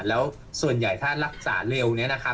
แล้วส่วนใหญ่ถ้ารักษาเร็วนี้นะคะ